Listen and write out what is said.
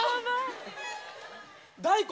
大根？